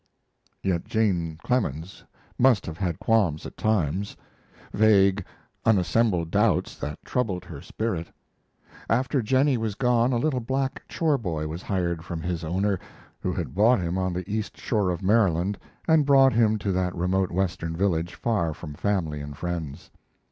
Yet Jane Clemens must have had qualms at times vague, unassembled doubts that troubled her spirit. After Jennie was gone a little black chore boy was hired from his owner, who had bought him on the east shore of Maryland and brought him to that remote Western village, far from family and friends.